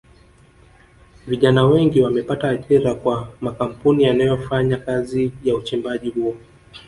Vijana wengi wamepata ajira kwa makampuni yanayofanya kazi ya uchimbaji huo